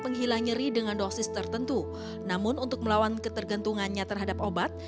menghilang nyeri dengan dosis tertentu namun untuk melawan ketergantungannya terhadap obat